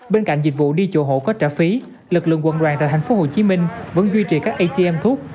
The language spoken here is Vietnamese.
bên cạnh dịch vụ đi chùa hộ có trả phí lực lượng quận đoàn tại tp hcm vẫn duy trì các atm thuốc